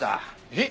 えっ？